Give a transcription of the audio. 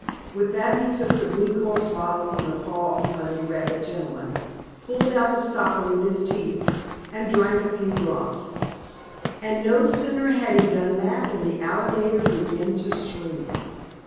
With that he took the blue corked bottle from the paw of the bunny rabbit gentleman, pulled out the stopper with his teeth and drank a few drops. And, no sooner had he done that, than the alligator began to shrink.